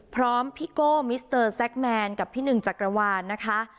พร้อมพี่โก้มิสเตอร์แซคแมนกับพี่หนึ่งจักรวาลนะคะ